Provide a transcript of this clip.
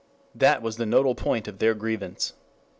That was the nodal point of their grievance.